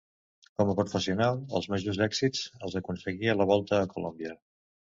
Com a professional els majors èxits els aconseguí a la Volta a Colòmbia.